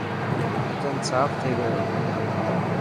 ڪچن ساف ٿي گيو.